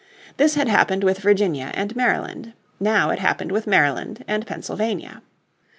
This had happened with Virginia and Maryland. Now it happened with Maryland and Pennsylvania.